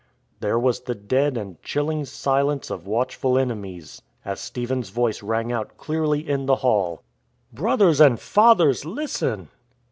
There was the dead and chilling silence of watch ful enemies as Stephen's voice rang out clearly in the hall. " Brothers and fathers, listen